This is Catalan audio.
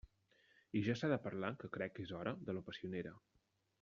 I ja s'ha de parlar —que crec que és hora— de la passionera.